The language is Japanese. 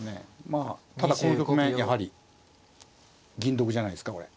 まあただこの局面やはり銀得じゃないですかこれ。